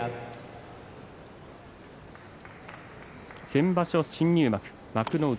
先場所、新入幕幕内